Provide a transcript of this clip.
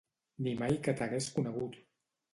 Ni mai que t'hagués conegut!